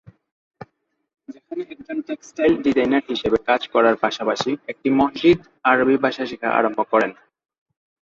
সেখানে একজন textile designer হিসাবে কাজ করার পাশাপাশি একটি মসজিদে আরবী ভাষা শিখা আরম্ভ করেন।